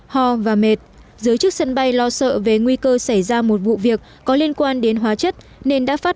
ho và mệt giới chức sân bay lo sợ về nguy cơ xảy ra một vụ việc có liên quan đến hóa chất nên đã phát